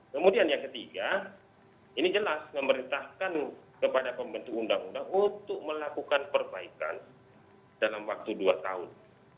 kemudian yang ketiga ini jelas memerintahkan kepada pembentuk undang undang untuk melakukan perbaikan dalam waktu dua tahun